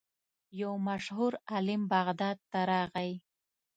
یو مشهور عالم بغداد ته راغی.